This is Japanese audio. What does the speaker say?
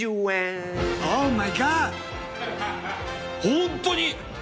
ホントに！？